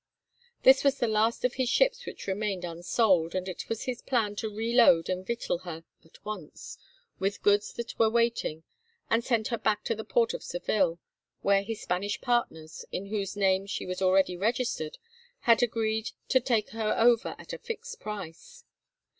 This was the last of his ships which remained unsold, and it was his plan to re load and victual her at once with goods that were waiting, and send her back to the port of Seville, where his Spanish partners, in whose name she was already registered, had agreed to take her over at a fixed price.